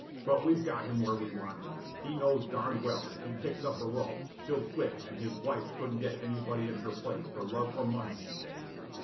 But we've got him where we want him. He knows darned well if he kicks up a row, she'll quit and his wife couldn't get anybody in her place for love or money these days.